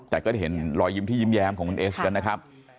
แต่ก็เห็นรอยยิ้มที่ยิ้มแย้มของคุณเอสแล้วนะครับ